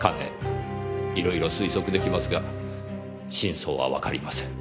いろいろ推測できますが真相はわかりません。